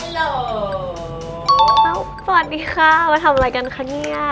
สวัสดีค่ะมาทำอะไรกันคะเนี่ย